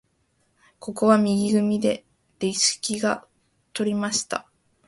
ここは右組でレシキが取りました。